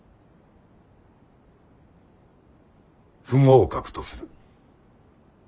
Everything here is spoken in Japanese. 不合格とする。